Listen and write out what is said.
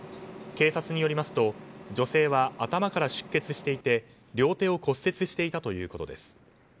警察によりますと女性は頭から出血していて両手を骨折していたということです。